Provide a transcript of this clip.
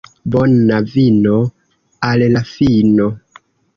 Bona vino al la fino.